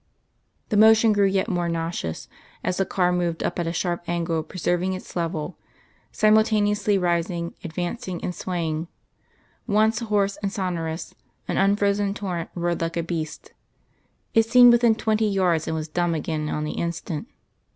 The motion grew yet more nauseous, as the car moved up at a sharp angle preserving its level, simultaneously rising, advancing and swaying. Once, hoarse and sonorous, an unfrozen torrent roared like a beast, it seemed within twenty yards, and was dumb again on the instant.